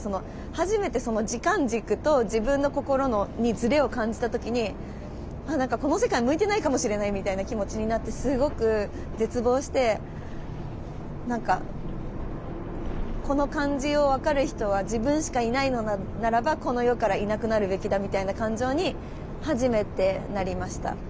初めて時間軸と自分の心にズレを感じた時にこの世界向いてないかもしれないみたいな気持ちになってすごく絶望して何かこの感じを分かる人は自分しかいないのならばこの世からいなくなるべきだみたいな感情に初めてなりました。